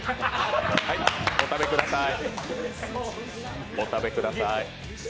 はい、お食べください。